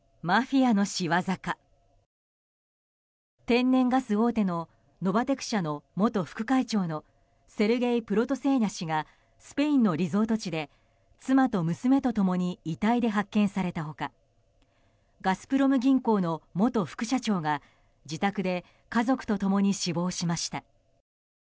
天然ガス大手のノバテク社の元副会長のセルゲイ・プロトセーニャ氏がスペインのリゾート地で妻と娘と共に遺体で発見された他ガスプロム銀行の元副社長が自宅で家族と共に死亡しました。